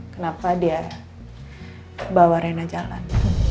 kenapa dia bawa arena jalan